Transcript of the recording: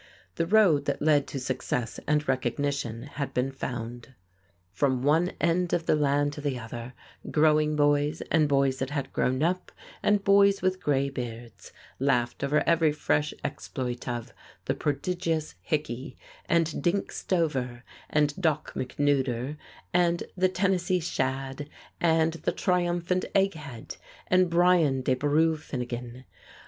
The road that led to success and recognition had been found. From one end of the land to the other, growing boys, and boys that had grown up, and boys with gray beards laughed over every fresh exploit of "The Prodigious Hickey," and "Dink Stover," and "Doc McNooder," and "The Tennessee Shad," and "The Triumphant Egghead," and "Brian de Boru Finnegan."